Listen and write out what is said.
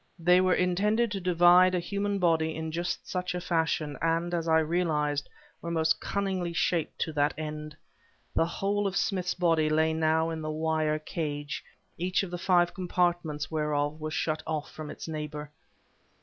They were intended to divide a human body in just such fashion, and, as I realized, were most cunningly shaped to that end. The whole of Smith's body lay now in the wire cage, each of the five compartments whereof was shut off from its neighbor.